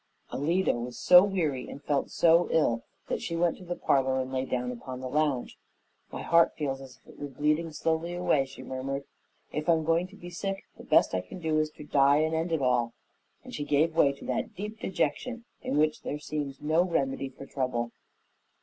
Alida was so weary and felt so ill that she went to the parlor and lay down upon the lounge. "My heart feels as if it were bleeding slowly away," she murmured. "If I'm going to be sick the best thing I can do is to die and end it all," and she gave way to that deep dejection in which there seems no remedy for trouble.